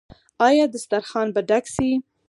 آیا دسترخان به ډک شي؟